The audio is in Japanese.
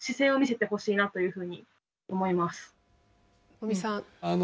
尾身さん。